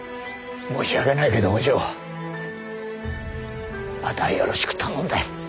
申し訳ないけどお嬢あとはよろしく頼んだよ。